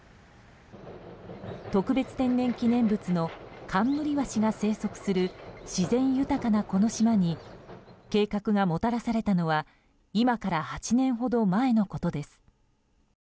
特別天然記念物のカンムリワシが生息する自然豊かなこの島に計画がもたらされたのは今から８年ほど前のことです。